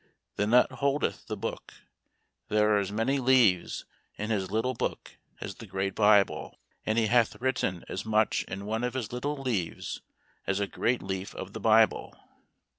The nut holdeth the book: there are as many leaves in his little book as the great Bible, and he hath written as much in one of his little leaves as a great leaf of the Bible."